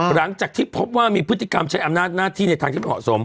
หลังจากที่พบว่ามีพฤติกรรมใช้อำนาจหน้าที่ในทางที่เหมาะสม